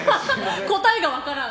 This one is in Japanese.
答えが分からん。